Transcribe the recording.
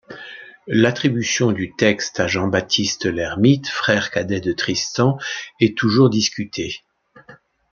L'attribution du texte à Jean-Baptiste L'Hermite, frère cadet de Tristan, est toujours discutée.